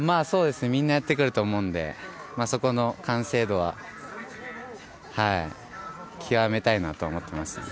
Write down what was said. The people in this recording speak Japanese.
そうですね、みんなやってくると思うのでそこの完成度は極めたいなと思ってます。